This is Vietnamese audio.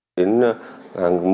đến một số hàng cầm đồ